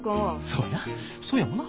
そうやそうやもな。